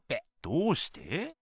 どうして？